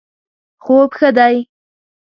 خوب ښه دی